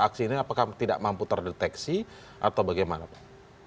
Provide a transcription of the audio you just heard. aksi ini apakah tidak mampu terdeteksi atau bagaimana pak